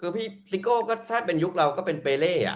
คือพี่ซิโก้ก็ถ้าเป็นยุคเราก็เป็นเปเล่